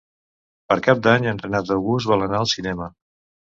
Per Cap d'Any en Renat August vol anar al cinema.